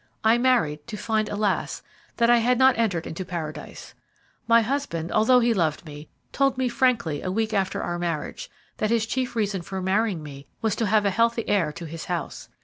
"I married to find, alas, that I had not entered into Paradise. My husband, although he loved me, told me frankly, a week after our marriage, that his chief reason for marrying me was to have a healthy heir to his house.